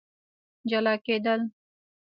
جلا کېدل